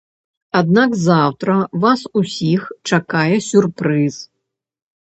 Аднак заўтра вас усіх чакае сюрпрыз.